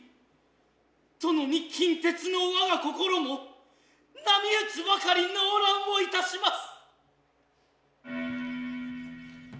殿に金鉄の我が心も波打つばかり悩乱をいたします。